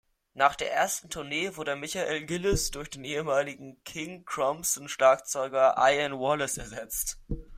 Nach der ersten Tournee wurde Michael Giles durch den ehemaligen King-Crimson-Schlagzeuger Ian Wallace ersetzt.